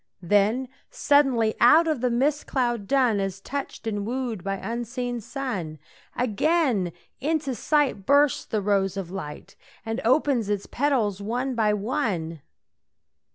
Then suddenly out of the mist cloud dun, As touched and wooed by unseen sun, Again into sight bursts the rose of light And opens its petals one by one.